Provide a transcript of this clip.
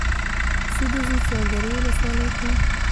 سیده ځو چاردرې ولسوالۍ ته.